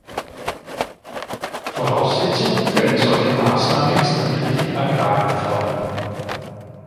Voraussetzung für eine solche Maßnahme ist natürlich die Agrarreform.